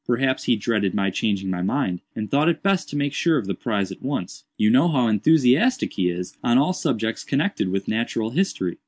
Perhaps he dreaded my changing my mind, and thought it best to make sure of the prize at once—you know how enthusiastic he is on all subjects connected with Natural History.